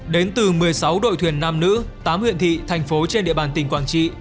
đến từ một mươi sáu đội thuyền nam nữ tám huyện thị thành phố trên địa bàn tỉnh quảng trị